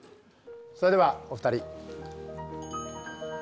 それではお２人。